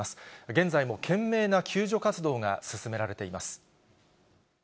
現在も懸命な救助活動が進められています。